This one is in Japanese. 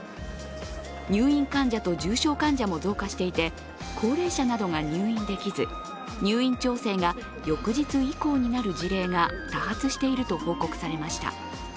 入院患者と重症患者も増加していて高齢者などが入院できず、入院調整が翌日以降になる事例が多発していると報告されました。